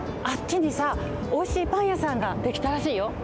あっちにさおいしいパンやさんができたらしいよ。